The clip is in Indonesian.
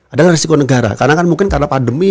ada resiko negara karena mungkin karena pandemi